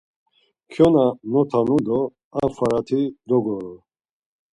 Kyona notanu do ar farati dogoru.